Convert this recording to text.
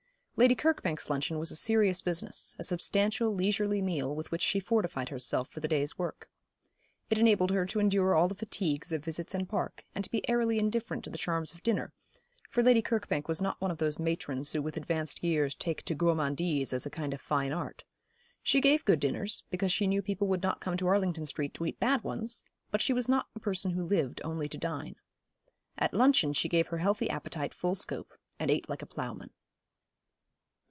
Lady Kirkbank's luncheon was a serious business, a substantial leisurely meal with which she fortified herself for the day's work. It enabled her to endure all the fatigues of visits and park, and to be airily indifferent to the charms of dinner; for Lady Kirkbank was not one of those matrons who with advanced years take to gourmandise as a kind of fine art. She gave good dinners, because she knew people would not come to Arlington Street to eat bad ones; but she was not a person who lived only to dine. At luncheon she gave her healthy appetite full scope, and ate like a ploughman.